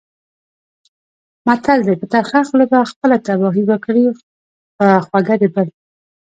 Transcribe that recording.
متل دی: په ترخه خوله به خپله تباهي وکړې، په خوږه د بل.